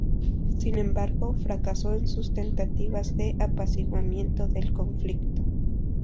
Sin embargo, fracasó en sus tentativas de apaciguamiento del conflicto.